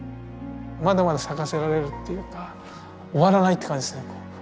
まだまだ咲かせられるっていうか終わらないって感じですよね。